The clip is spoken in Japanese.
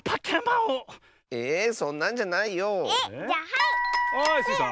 はいスイさん。